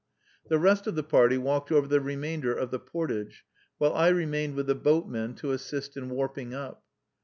The rest of the party walked over the remainder of the portage, while I remained with the boatmen to assist in warping up.